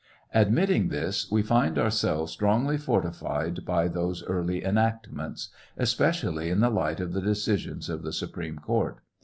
Admitting this, we find ourselves strongly fortified by those early enactments, especially in the light of the decisions of the Supreme Court.